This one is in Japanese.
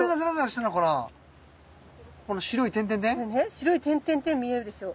白い点々々見えるでしょ。